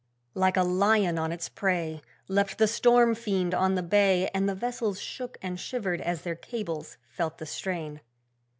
Like a lion on its prey, Leapt the storm fiend on the bay, And the vessels shook and shivered as their cables felt the strain.